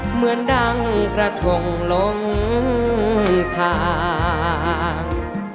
เหมือนดังกระทงลงทาง